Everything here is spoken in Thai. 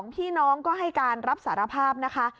พี่น้องก็ให้การรับสารภาพนะคะ